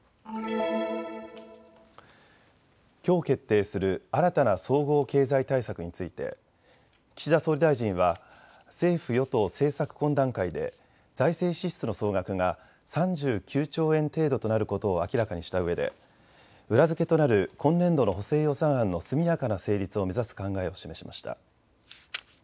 きょう決定する新たな総合経済対策について岸田総理大臣は政府与党政策懇談会で財政支出の総額が３９兆円程度となることを明らかにしたうえで裏付けとなる今年度の補正予算案の速やかな成立を目指す考えを示しました。